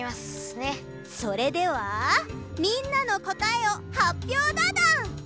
それではみんなのこたえをはっぴょうだドン！